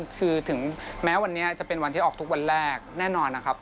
คือถึงแม้วันนี้จะเป็นวันที่ออกทุกวันแรกแน่นอนนะครับ